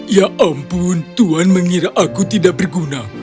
ya ampun tuhan mengira aku tidak berguna